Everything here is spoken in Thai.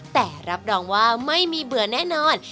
แต่รับรองว่าไม่มีเบื่อแน่นอน